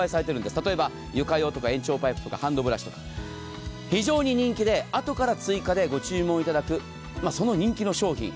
例えば床用とか延長パイプとか非常に人気であとから追加でご注文いただく、その人気の商品。